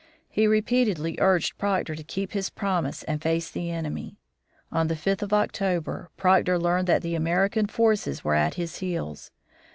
He repeatedly urged Proctor to keep his promise and face the enemy. On the fifth of October, Proctor learned that the American forces were at his heels.